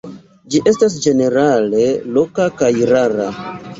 Ĝi estas ĝenerale loka kaj rara.